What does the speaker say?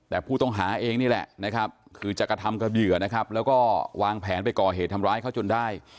แต่ผู้ต้องหาเองนี่แหละคือจักรธรรมกับเหยื่อแล้วก็วางแผนไปก่อเหตุทำร้ายเขาจนได้